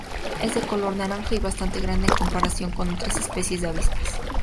Es de color naranja y bastante grande en comparación con otras especies de avispas.